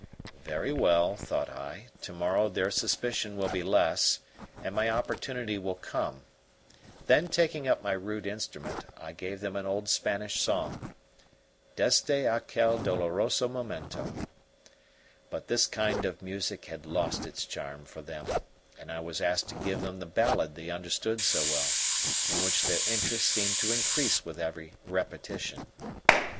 Very well, thought I, tomorrow their suspicion will be less, and my opportunity will come; then taking up my rude instrument, I gave them an old Spanish song: Desde aquel doloroso momento; but this kind of music had lost its charm for them, and I was asked to give them the ballad they understood so well, in which their interest seemed to increase with every repetition.